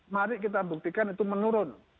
mari kita buktikan itu menurun